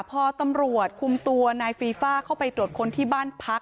พอตำรวจคุมตัวนายฟีฟ่าเข้าไปตรวจคนที่บ้านพัก